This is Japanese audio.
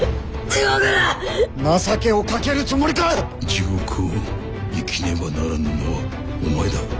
地獄を生きねばならぬのはお前だ。